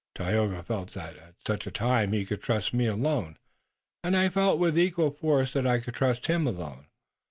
Tayoga felt that at such a time he could trust me alone, and I felt with equal force that I could trust him alone.